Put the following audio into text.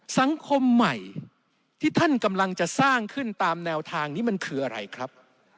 สังคมใหม่ที่ท่านกำลังจะสร้างขึ้นตามแนวทางนี้มันคืออะไรครับ